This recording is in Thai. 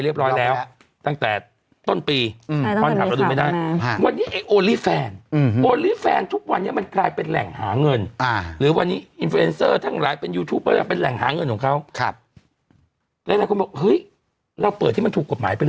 หลังจากนี้ปุ๊บจะได้หรือไม่ได้เดี๋ยวเขาจะแจ้งกลับไป